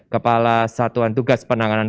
kepala satuan tugas penanganan